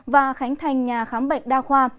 và khánh thành nhà khám bệnh đa khoa